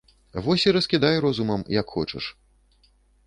Вось і раскідай розумам як хочаш.